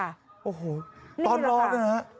ตอนร้อนนะฮะ